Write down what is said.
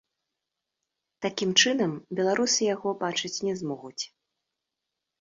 Такім чынам, беларусы яго бачыць не змогуць.